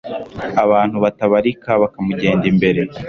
abantu batabarika bakamugenda imbere